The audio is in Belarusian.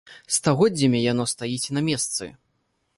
Стагоддзямі яно стаіць на месцы.